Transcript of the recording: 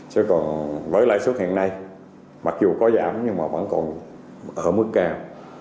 chứ còn với lãi suất hiện nay mặc dù có giảm nhưng mà vẫn còn ở mức cao